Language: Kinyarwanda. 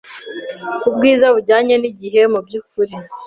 Ubwiza bujyanye nigihe mubyukuri